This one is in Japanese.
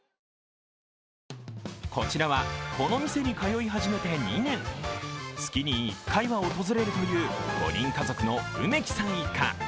こちらは、この店に通い始めて２年月に１回は訪れるという５人家族の梅木さん一家。